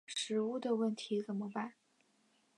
食物的问题怎么办？